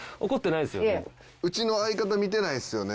うちの相方見てないですよね？